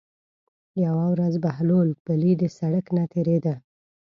یوه ورځ بهلول پلي د سړک نه تېرېده.